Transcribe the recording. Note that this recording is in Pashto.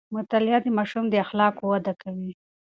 مطالعه د ماشوم د اخلاقو وده کوي.